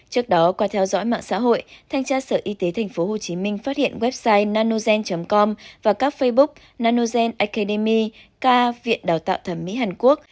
trước đó qua theo dõi mạng xã hội thanh tra sở y tế tp hcm phát hiện website nanogen com và các facebook nanogen akemi ca viện đào tạo thẩm mỹ hàn quốc